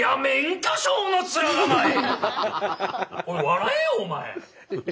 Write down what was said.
笑えよお前。